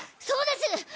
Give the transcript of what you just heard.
そうです！